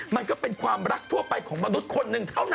มันก็เป็นความรักทั่วไปของมนุษย์คนหนึ่งเท่านั้น